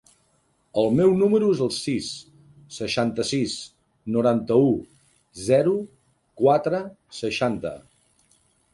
El meu número es el sis, seixanta-sis, noranta-u, zero, quatre, seixanta.